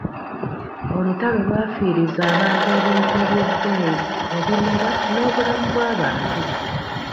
Olutalo lwafiiriza abantu ebintu eby'ebbeeyi, ebimera n'obulamu bw'abantu